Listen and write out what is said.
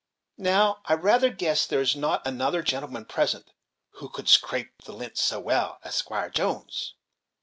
Now, I rather guess there is not another gentleman present who could scrape the lint so well as Squire Jones!"